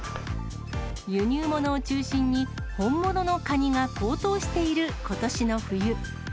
輸入物を中心に、本物のカニが高騰していることしの冬。